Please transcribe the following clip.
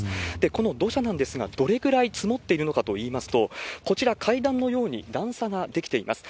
この土砂なんですが、どれぐらい積もっているのかといいますと、こちら、階段のように段差が出来ています。